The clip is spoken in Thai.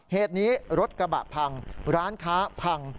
เหตุนี้รถกระบะพังร้านค้าพัง